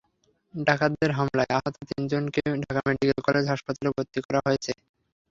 ডাকাতদের হামলায় আহত তিনজনকে ঢাকা মেডিকেল কলেজ হাসপাতালে ভর্তি করা হয়েছে।